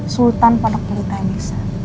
sultan pondok pelitainik